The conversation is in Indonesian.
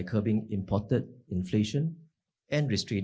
dengan menggantikan inflasi yang diperlukan